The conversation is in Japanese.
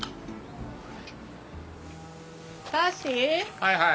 はいはい。